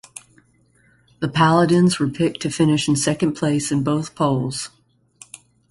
The Paladins were picked to finish in second place in both polls.